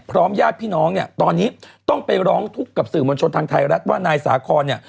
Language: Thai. ญาติพี่น้องเนี่ยตอนนี้ต้องไปร้องทุกข์กับสื่อมวลชนทางไทยรัฐว่านายสาคอนเนี่ย